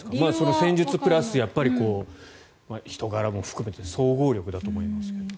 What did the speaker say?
戦術プラス、人柄も含めて総合力だと思いますけど。